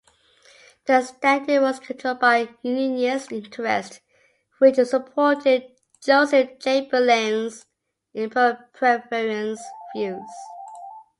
The "Standard" was controlled by Unionist interests which supported Joseph Chamberlain's Imperial Preference views.